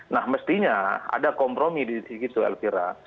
nah mestinya ada kompromi di situ elvira